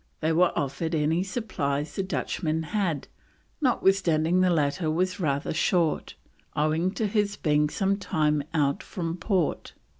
They were offered any supplies the Dutchman had, notwithstanding the latter was rather short, owing to his being some time out from port.